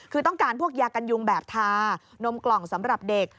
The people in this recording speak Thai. คือต้องการพวกยากันยุงแบบทานมกล่องสำหรับเด็ก